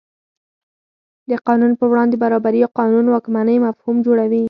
د قانون په وړاندې برابري قانون واکمنۍ مفهوم جوړوي.